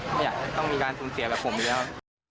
ไม่อยากให้ต้องมีการสูญเสียแบบผมอีกแล้ว